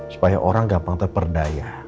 supaya orang gampang terperdaya